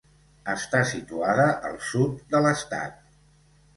Està situada al sud de l'estat.